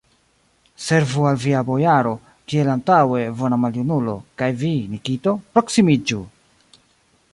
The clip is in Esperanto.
Servu al via bojaro, kiel antaŭe, bona maljunulo, kaj vi, Nikito, proksimiĝu!